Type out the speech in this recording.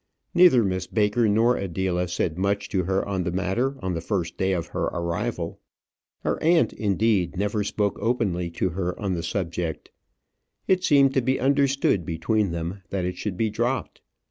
Neither Miss Baker nor Adela said much to her on the matter on the first day of her arrival. Her aunt, indeed, never spoke openly to her on the subject. It seemed to be understood between them that it should be dropped.